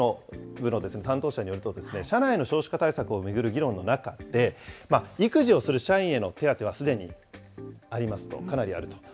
人事の部の担当者によると、社内の少子化対策を巡る議論の中で、育児をする社員への手当はすでにありますと、かなりあると。